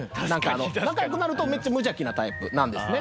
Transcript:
仲良くなるとめっちゃ無邪気なタイプなんですね。